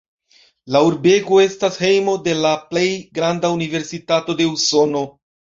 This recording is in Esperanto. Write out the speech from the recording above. La urbego estas hejmo de la plej granda universitato de Usono.